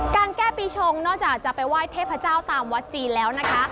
แก้ปีชงนอกจากจะไปไหว้เทพเจ้าตามวัดจีนแล้วนะคะ